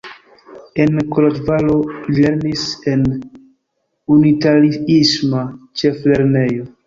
En Koloĵvaro li lernis en unitariisma ĉeflernejo.